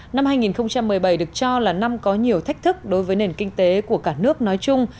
năm hai nghìn một mươi bảy được cho là năm có nhiều thách thức đối với nền kinh tế của cả nước nói chung